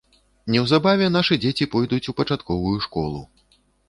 Неўзабаве нашы дзеці пойдуць у пачатковую школу.